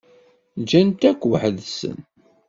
Gan-t akk weḥd-sen.